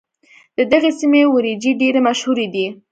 د دغې سيمې وريجې ډېرې مشهورې دي.